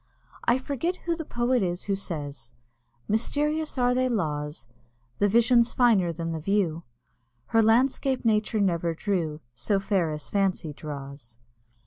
I forget who the poet is who says "Mysterious are thy laws; The vision's finer than the view; Her landscape Nature never drew So fair as Fancy draws."